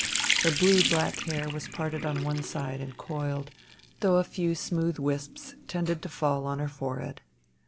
Her blue black hair was parted on one side and coiled, though a few smooth wisps tended to fall on her forehead.